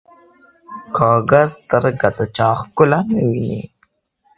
کوږه سترګه د چا ښکلا نه ویني